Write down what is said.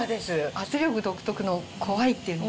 圧力独特の怖いっていうのが。